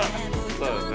そうですね。